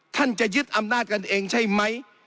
จะยึดอำนาจกันเองใช่ไหม